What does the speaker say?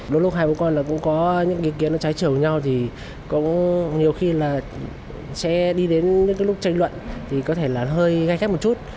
lúc lúc hai bố con cũng có những ý kiến nó trái trở với nhau thì cũng nhiều khi là sẽ đi đến những cái lúc tranh luận thì có thể là hơi gai khép một chút